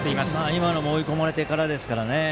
今のも追い込まれてからですからね。